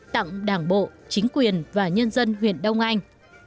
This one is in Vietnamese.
tặng đảng bộ chính quyền và nhân dân huyện đông anh